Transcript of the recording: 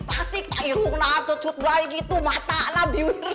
plastik air juga tuh cuplai gitu mata nabiwira